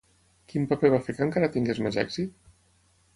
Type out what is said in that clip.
Quin paper va fer que encara tingués més èxit?